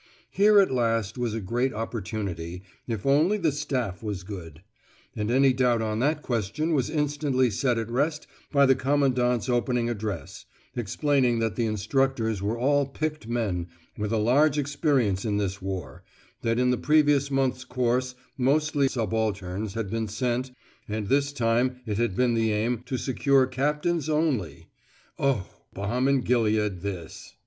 Here at least was a great opportunity, if only the staff was good. And any doubt on that question was instantly set at rest by the Commandant's opening address, explaining that the instructors were all picked men with a large experience in this war, that in the previous month's course mostly subalterns had been sent and this time it had been the aim to secure captains only (oh! balm in Gilead this!)